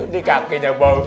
di kakinya bau